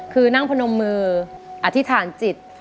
คือนั่งพนมมืออธิษฐานจิต